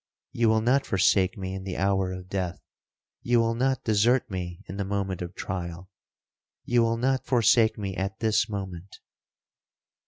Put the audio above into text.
—you will not forsake me in the hour of death!—you will not desert me in the moment of trial!—you will not forsake me at this moment!'